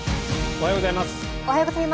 おはようございます。